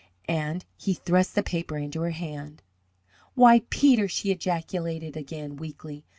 and he thrust the paper into her hand. "Why, Peter!" she ejaculated again, weakly.